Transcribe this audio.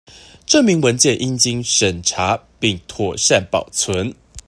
證明文件應經審查並妥善保存